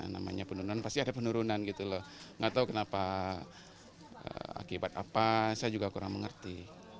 namanya penurunan pasti ada penurunan gitu loh nggak tahu kenapa akibat apa saya juga kurang mengerti